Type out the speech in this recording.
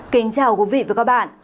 xin chào quý vị và các bạn